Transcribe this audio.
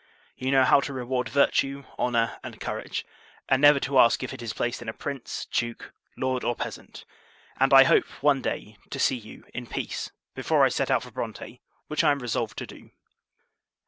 You know how to reward virtue, honour, and courage; and never to ask if it is placed in a Prince, Duke, Lord, or Peasant: and I hope, one day, to see you, in peace, before I set out for Bronte, which I am resolved to do.